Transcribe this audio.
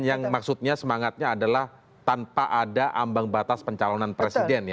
yang maksudnya semangatnya adalah tanpa ada ambang batas pencalonan presiden